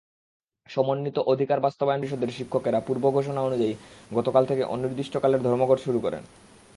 সমন্বিত অধিকার বাস্তবায়ন পরিষদের শিক্ষকেরা পূর্বঘোষণা অনুযায়ী গতকাল থেকে অনির্দিষ্টকালের ধর্মঘট শুরু করেন।